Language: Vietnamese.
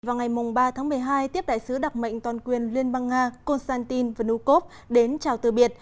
vào ngày ba tháng một mươi hai tiếp đại sứ đặc mệnh toàn quyền liên bang nga konstantin vnukov đến chào từ biệt